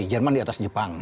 jerman di atas jepang